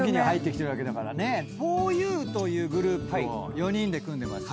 ふぉゆというグループを４人で組んでますよね。